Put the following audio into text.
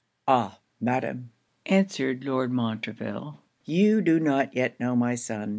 'Ah, madam!' answered Lord Montreville, 'you do not yet know my son.